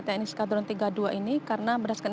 tni sekadron tiga puluh dua ini karena berdasarkan